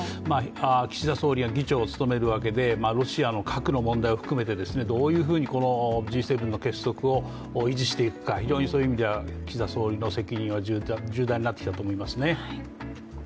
岸田総理が議長を務めるわけでロシアの核の問題を含めてどういうふうにＧ７の結束を維持していくか、非常に、そういう意味では岸田総理の責任は重大になってきたと思いますね。